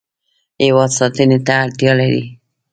هیواد ساتنې ته اړتیا لري.